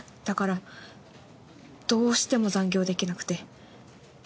だからどうしても残業できなくて。